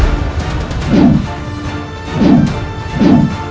aku akan menang